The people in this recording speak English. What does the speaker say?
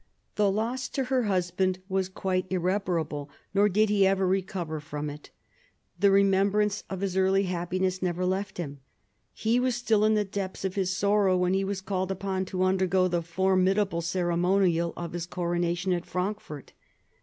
The loss to her husband was quite irreparable, nor did he ever recover from it ; the remembrance of his early happiness never left him. He was still in the depths of his sorrow when he was called upon to undergo the formidable ceremonial of his corona tion at Frankfort.